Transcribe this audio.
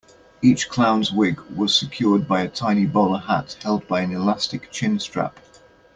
Each clown's wig was secured by a tiny bowler hat held by an elastic chin-strap.